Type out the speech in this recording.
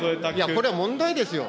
これは問題ですよ。